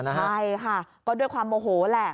ใช่ค่ะก็ด้วยความโมโหแหละ